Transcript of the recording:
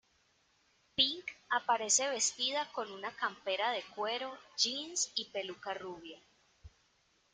Pink aparece vestida con una campera de cuero, jeans y peluca rubia.